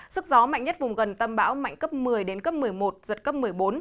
sức gió mạnh nhất vùng gần tâm bão mạnh cấp một mươi đến cấp một mươi một giật cấp một mươi bốn